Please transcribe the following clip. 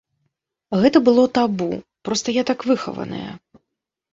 Гэта было табу, проста я так выхаваная.